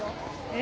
え？